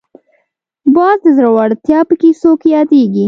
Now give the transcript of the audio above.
باز د زړورتیا په کیسو کې یادېږي